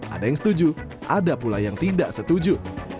ada yang setuju ada pula yang tidak setuju